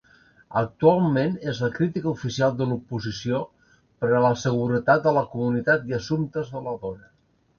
Actualment és la Crítica Oficial de l'Oposició per a la Seguretat de la Comunitat i Assumptes de la Dona.